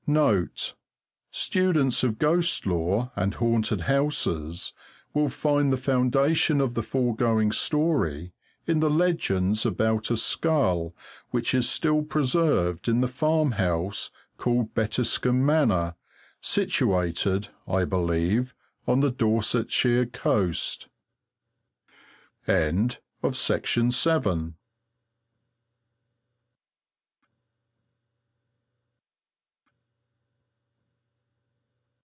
[Note. Students of ghost lore and haunted houses will find the foundation of the foregoing story in the legends about a skull which is still preserved in the farm house called Bettiscombe Manor, situated, I believe, on the Dorsetshire coast.] MAN OVERBOARD! Yes I have heard "Man overboard!"